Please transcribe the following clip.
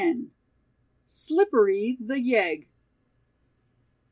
"Slippery, the Yegg."